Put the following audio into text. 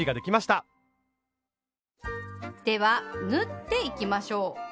では縫っていきましょう。